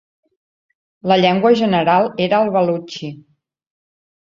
La llengua general era el balutxi.